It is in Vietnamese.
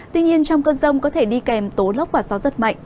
tuy nhiên trong cơn rông có thể đi kèm tố lốc và gió rất mạnh